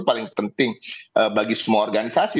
paling penting bagi semua organisasi